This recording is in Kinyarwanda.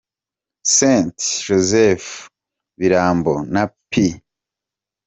S St Joseph Birambo na P.